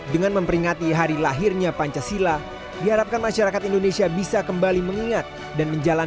dengan memperingati hari lahirnya pancasila diharapkan masyarakat indonesia bisa kembali mengingat dan menjalankan